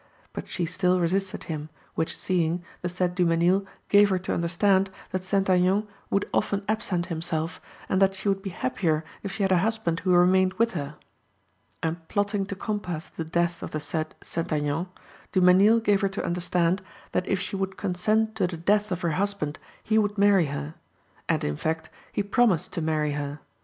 But she still resisted him, which seeing, the said Dumesnil gave her to understand that St. Aignan would often absent himself, and that she would be happier if she had a husband who remained with her. And plotting to compass the death of the said St. Aignan, Dumesnil gave her to understand that if she would consent to the death of her husband he would marry her; and, in fact, he promised to marry her.